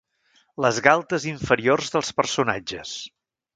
Les galtes inferiors dels personatges.